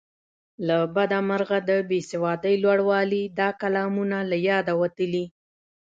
له بده مرغه د بې سوادۍ لوړوالي دا کلامونه له یاده وتلي.